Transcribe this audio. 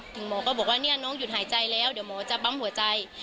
หมอก็บอกว่าเนี่ยน้องหยุดหายใจแล้วเดี๋ยวหมอจะปั๊มหัวใจ